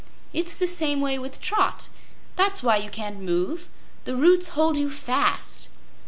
It's the same way with Trot. That's why you can't move. The roots hold you fast."